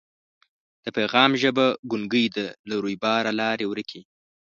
د پیغام ژبه ګونګۍ ده له رویباره لاري ورکي